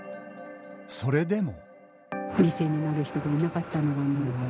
それでも。